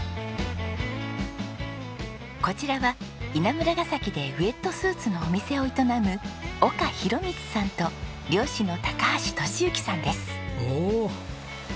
こちらは稲村ガ崎でウェットスーツのお店を営む岡廣光さんと漁師の橋俊行さんです。